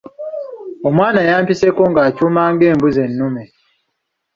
Omwana yampiseeko nga akyuma ng’embuzi ennume.